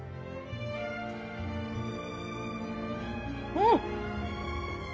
うん！